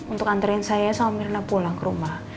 untuk anterin saya sama myrna pulang ke rumah